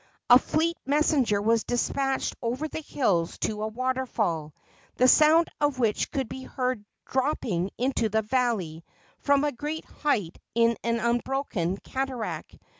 A fleet messenger was despatched over the hills to a waterfall, the sound of which could be heard dropping into the valley from a great height in an unbroken cataract.